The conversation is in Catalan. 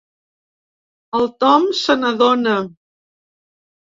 El Tom se n'adona.